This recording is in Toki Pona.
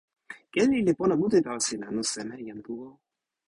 kili ni li pona mute tawa sina, anu seme, jan Tu o?